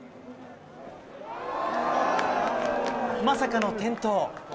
まさかの転倒。